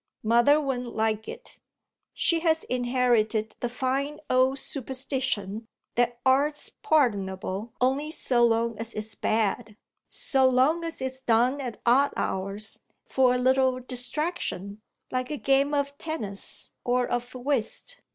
"Mother wouldn't like it. She has inherited the fine old superstition that art's pardonable only so long as it's bad so long as it's done at odd hours, for a little distraction, like a game of tennis or of whist.